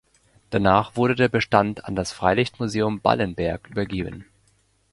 Danach wurde der Bestand an das Freilichtmuseum Ballenberg übergeben.